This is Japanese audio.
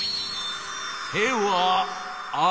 「手はある」。